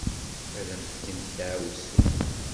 Ad am-fkent ddeɛwessu.